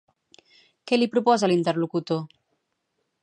Què li proposa l'interlocutor?